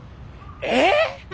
えっ？